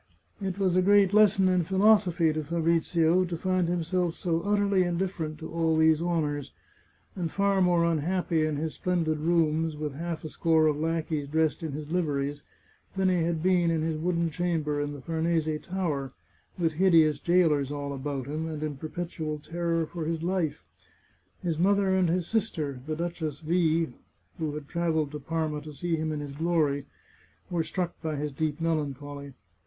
It was a great lesson in philosophy to Fabrizio to find himself so utterly indifferent to all these honours, and far more unhappy in his splendid rooms, with half a score of lackeys dressed in his liveries, than he had been in his wooden chamber in the Farnese Tower, with hideous jailers all about him, and in perpetual terror for his life. His mother and his sister, the Duchess V , who had travelled to Parma to see him in his glory, were struck by his deep melancholy.